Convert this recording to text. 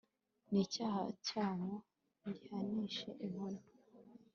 n'icyaha cyabo ngihanishe inkoni